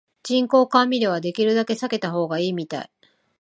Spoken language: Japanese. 人工甘味料はできるだけ避けた方がいいみたい